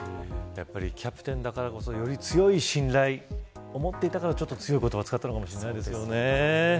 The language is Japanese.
キャプテンだからこそより強い信頼を持っていたからこそ強い言葉を使ったのかもしれませんね。